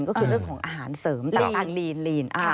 ก็คือเรื่องของอาหารเสริมต่างลีน